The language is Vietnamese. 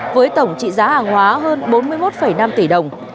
với tổng trị giá hàng hóa hơn bốn mươi một năm tỷ đồng